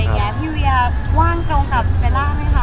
ดาลน่าคำสั่งการไปบริสาทของให้เด็ก